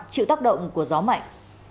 chịu tác động của gió mạnh